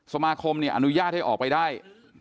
สมาคมอนุญาตให้ออกไปได้